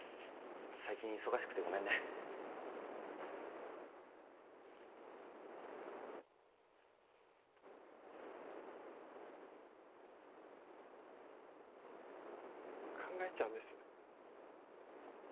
最近忙しくてごめんね考えちゃうんです